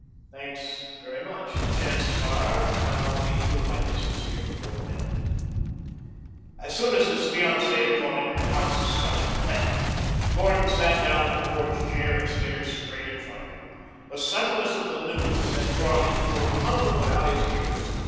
"Thanks very much. The chances are that I'll be through my business here before then." As soon as his fiancée had gone into the house, the Scotchman left. Gordon sat down in a porch chair and stared straight in front of him. The suddenness of the news had brought his world tumbling about his ears.